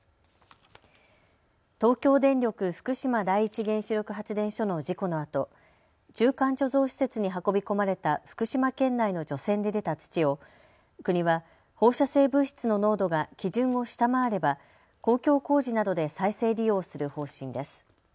東京電力福島第一原子力発電所の事故のあと、中間貯蔵施設に運び込まれた福島県内の除染で出た土を国は放射性物質の濃度が基準を下回れば公共工事などで再生利用する方針です。